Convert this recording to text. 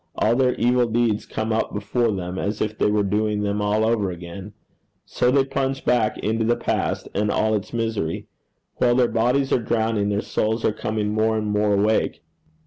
All their evil deeds come up before them, as if they were doing them all over again. So they plunge back into the past and all its misery. While their bodies are drowning, their souls are coming more and more awake.'